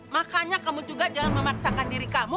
makanya kamu juga jangan memaksakan diri kamu